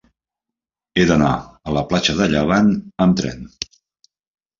He d'anar a la platja del Llevant amb tren.